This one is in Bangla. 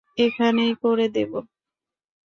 এখানেই করে দেবো।